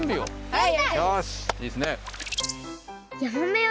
はい。